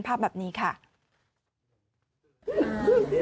ทุกคนเดินมาครบ๘คนหายไป๒คนนึกออกไหมคะ